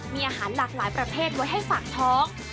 มีอาหารหลากหลายประเภทไว้ให้ฝากท้อง